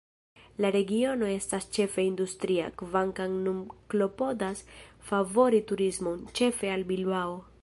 La regiono estas ĉefe industria, kvankam nun klopodas favori turismon, ĉefe al Bilbao.